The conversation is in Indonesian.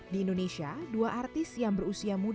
di indonesia dua artis yang berusia muda